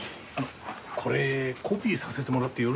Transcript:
これコピーさせてもらってよろしいですか？